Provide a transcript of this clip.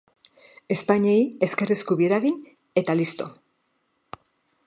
Ezpainei ezker-eskubi eragin eta lixto!